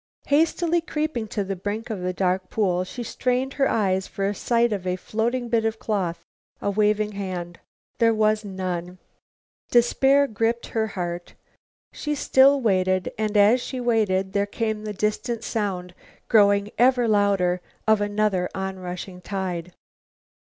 Hastily creeping to the brink of the dark pool, she strained her eyes for sight of a floating bit of cloth, a waving hand. There was none. Despair gripped her heart. Still she waited, and as she waited, there came the distant sound, growing ever louder, of another onrushing tide.